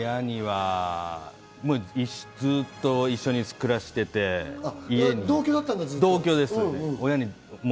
親にはずっと一緒に暮らしてて、同居です。